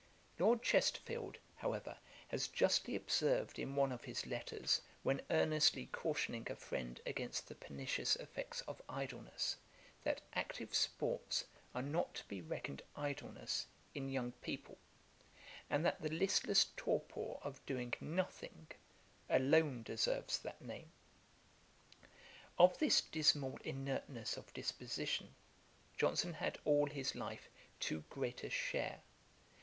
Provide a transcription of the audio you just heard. Lord Chesterfield, however, has justly observed in one of his letters, when earnestly cautioning a friend against the pernicious effects of idleness, that active sports are not to be reckoned idleness in young people; and that the listless torpor of doing nothing, alone deserves that name. Of this dismal inertness of disposition, Johnson had all his life too great a share.